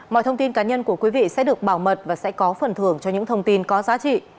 mọi thông tin cá nhân của quý vị sẽ được bảo mật và sẽ có phần thưởng cho những thông tin có giá trị